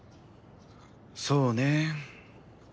そうね。